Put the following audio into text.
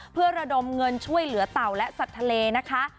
เพื่อระดมเงินช่วยเหลือเต่าและสัตว์ทะเลนะคะ